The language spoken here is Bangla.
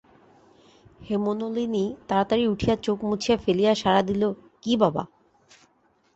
হেমনলিনী তাড়াতাড়ি উঠিয়া চোখ মুছিয়া ফেলিয়া সাড়া দিল, কী বাবা!